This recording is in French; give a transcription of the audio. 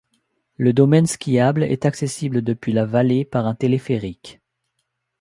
Le domaine skiable est accessible depuis la vallée par un téléphérique.